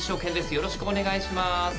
よろしくお願いします。